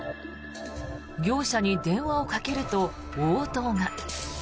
業者に電話をかけると、応答が。